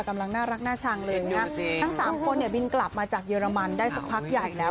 กำลังน่ารักน่าชังเลยนะฮะทั้งสามคนเนี่ยบินกลับมาจากเยอรมันได้สักพักใหญ่แล้ว